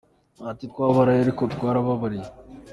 Ati “Twarababaye ariko twarababariye.